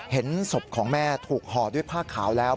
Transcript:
เห็นศพของแม่ถูกห่อด้วยผ้าขาวแล้ว